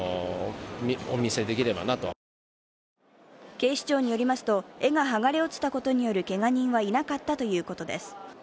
警視庁によりますと、絵が剥がれ落ちたことによるけが人はいなかったということです。